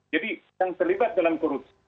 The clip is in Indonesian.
jadi yang terlibat dalam korupsi